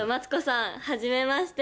はじめまして。